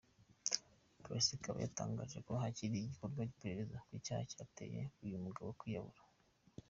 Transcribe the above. Polisi ikaba yatangaje ko hakiri gukorwa iperereza ku cyaba cyateye uyu mugabo kwiyahura.